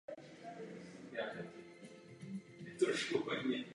Její stavba však byla zrušena.